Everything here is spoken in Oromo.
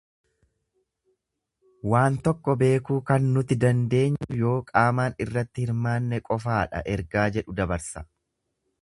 Waan tokko beekuu kan nuti dandeenyu yoo qaamaan irratti hirmaanne qofaadha ergaa jedhu dabarsa.